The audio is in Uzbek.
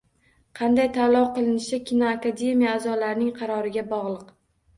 Qanday tanlov qilinishi kinoakademiya a’zolarining qaroriga bog‘liq